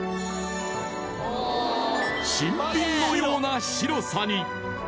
新品のような白さに。